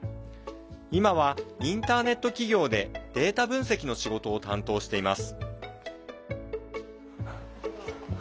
今はインターネット企業でデータ分析の仕事を担当しています。